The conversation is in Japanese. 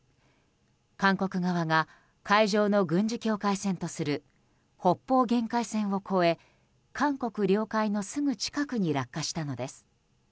韓国側が海上の軍事境界線とする北方限界線を越え、韓国領海のすぐ近くに落下したのです。